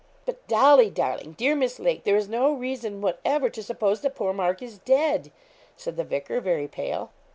'But, Dolly darling dear Miss Lake, there is no reason whatever to suppose that poor Mark is dead,' said the vicar, very pale.